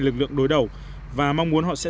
lực lượng đối đầu và mong muốn họ sẽ